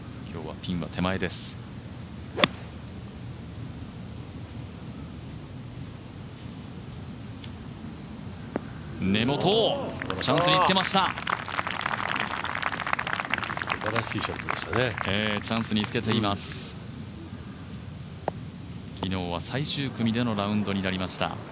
昨日は最終組でのラウンドになりました。